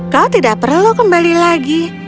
kau tidak perlu kembali lagi